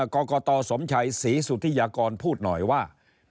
กรกตสมชัยศรีสุธิยากรพูดหน่อยว่า